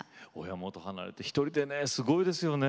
親元離れて１人でねすごいですよね。